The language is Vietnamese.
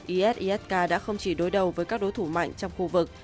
is isk đã không chỉ đối đầu với các đối thủ mạnh trong khu vực